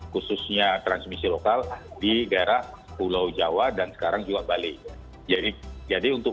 khususnya transmisi lokal di daerah pulau jawa dan sekarang juga bali jadi jadi untuk